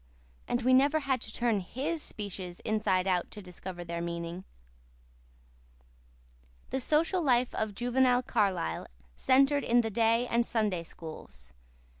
And we never had to turn HIS speeches inside out to discover their meaning. The social life of juvenile Carlisle centred in the day and Sunday Schools.